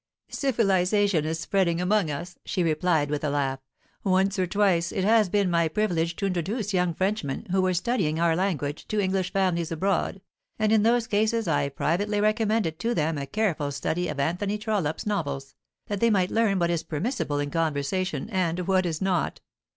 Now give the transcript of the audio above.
"Civilization is spreading among us," she replied, with a laugh. "Once or twice it has been my privilege to introduce young Frenchmen, who were studying our language, to English families abroad, and in those cases I privately recommended to them a careful study of Anthony Trollope's novels, that they might learn what is permissible in conversation and what is not.